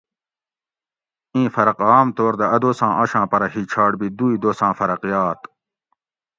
اِیں فرق عام طور دہ اۤ دوساں آشاں پرہ ھیچھاٹ بی دوئ دوساں فرق یات